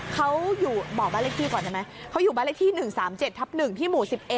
เขาอยู่บอกบ้านเลขที่ก่อนได้ไหมเขาอยู่บ้านเลขที่๑๓๗ทับ๑ที่หมู่๑๑